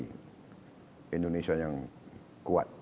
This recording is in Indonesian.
ke indonesia yang kuat